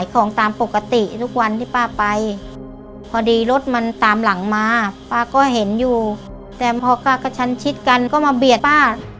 ก็รถกระเสียหลักตกคลองไปเลยอะ